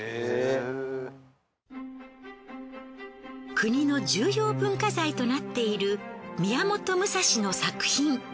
国の重要文化財となっている宮本武蔵の作品。